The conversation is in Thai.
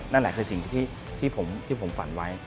นั่นแหละคือสิ่งที่ผมฝันไว้